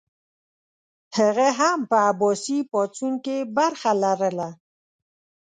هغه هم په عباسي پاڅون کې برخه لرله.